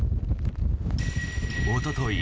おととい